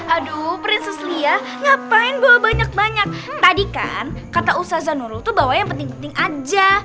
aduh prinses liya ngapain bawa banyak banyak tadi kan kata ustaz zanul tuh bawa yang penting penting aja